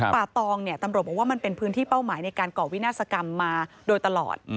ตองเนี่ยตำรวจบอกว่ามันเป็นพื้นที่เป้าหมายในการก่อวินาศกรรมมาโดยตลอด